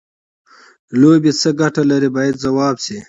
لوبې څه ګټه لري باید ځواب شي.